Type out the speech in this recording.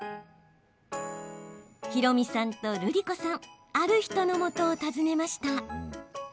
ひろみさんとるりこさんある人のもとを訪ねました。